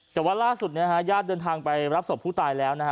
แต่ว่าล่าสุดญาติเดินทางไปรับศพผู้ตายแล้วนะฮะ